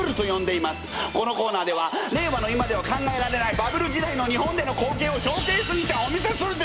このコーナーでは令和の今では考えられないバブル時代の日本での光景をショーケースにしてお見せするぜ！